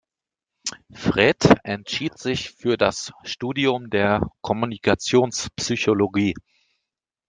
Fred entschied sich für das Studium der Kommunikationspsychologie.